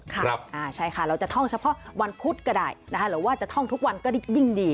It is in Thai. ใช่ค่ะใช่ค่ะเราจะท่องเฉพาะวันพุธก็ได้นะคะหรือว่าจะท่องทุกวันก็ยิ่งดี